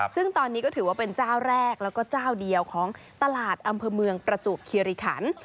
ซึ่งตอนนี้ก็ถือว่าเป็นเจ้าแรกแล้วก็เจ้าเดียวของตลาดอำเภอเมืองประจวบคิริขัน